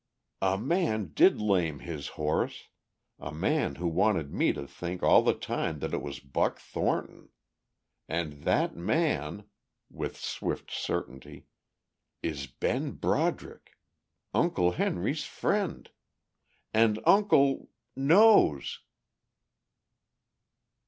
"A man did lame his horse, a man who wanted me to think all the time that it was Buck Thornton. And that man," with swift certainty, "is Ben Broderick! Uncle Henry's friend. And Uncle ... knows!"